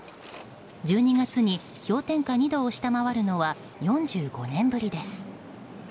１２月に氷点下２度を下回るのは４５年ぶりです。